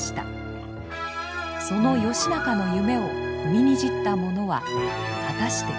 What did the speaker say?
その義仲の夢を踏みにじった者は果たして？